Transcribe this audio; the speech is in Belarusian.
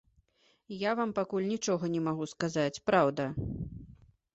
Я вам пакуль нічога не магу сказаць, праўда.